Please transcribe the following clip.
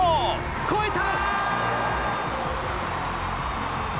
越えた！